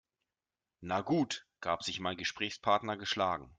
Na gut, gab sich mein Gesprächspartner geschlagen.